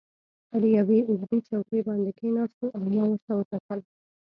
پر یوې اوږدې چوکۍ باندې کښېناستو او ما ورته وکتل.